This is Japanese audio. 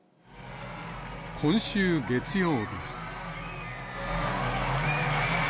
今週月曜日。